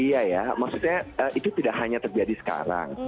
iya ya maksudnya itu tidak hanya terjadi sekarang